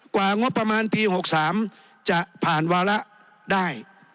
กว่างบประมาณปี๖๓จะผ่านวาระได้